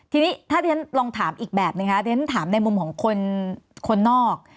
ทีนี้ถ้าเจ้านั้นลองถามอีกแบบนะครับเจ้านั้นถามในมุมของคนคนนอก